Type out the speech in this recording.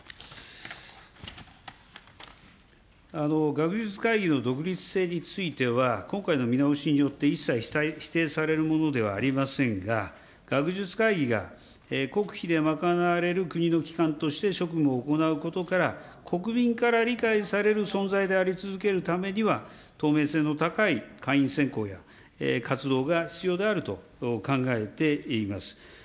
学術会議の独立性については、今回の見直しによって一切否定されるものではありませんが、学術会議が国費で賄われる国の機関として職務を行うことから、国民から理解される存在であり続けるためには、透明性の高い会員選考や活動が必要であると考えています。